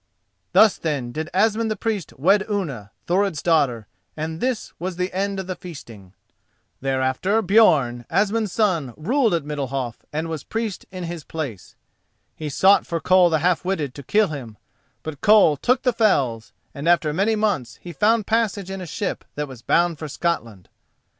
Thus, then, did Asmund the Priest wed Unna, Thorod's daughter, and this was the end of the feasting. Thereafter Björn, Asmund's son, ruled at Middalhof, and was Priest in his place. He sought for Koll the Half witted to kill him, but Koll took the fells, and after many months he found passage in a ship that was bound for Scotland.